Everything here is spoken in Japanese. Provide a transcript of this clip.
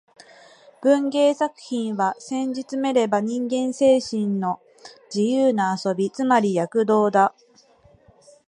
文芸作品は、せんじつめれば人間精神の自由な遊び、つまり躍動だ